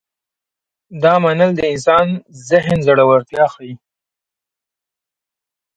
دا منل د انسان د ذهن زړورتیا ښيي.